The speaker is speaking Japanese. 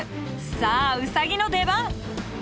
さあウサギの出番！